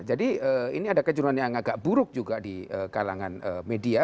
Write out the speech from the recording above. jadi ini ada kejuruan yang agak buruk juga di kalangan media